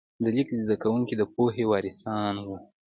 د لیک زده کوونکي د پوهې وارثان وو.